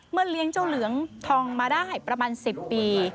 เลี้ยงเจ้าเหลืองทองมาได้ประมาณ๑๐ปี